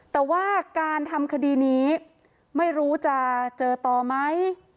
แต่ว่าการทำคดีนี้ไม่รู้จะเจอต่อไหม